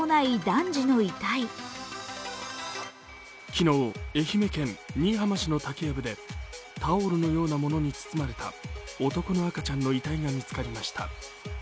昨日、愛媛県新居浜市の竹やぶでタオルのようなものに包まれた男の子の赤ちゃんの遺体が見つかりました。